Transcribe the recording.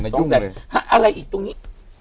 อะไรอีกตรงนี้